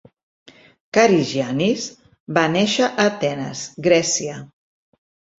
Karygiannis va néixer a Atenes, Grècia.